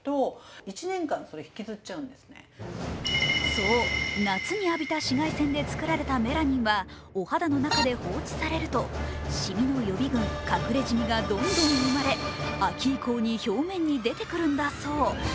そう、夏に浴びた紫外線で作られたメラニンはお肌の中で放置されると、シミの予備軍、隠れジミがどんどん生まれ、秋以降に表面に出てくるんだそう。